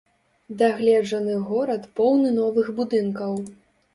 Дагледжаны горад поўны новых будынкаў.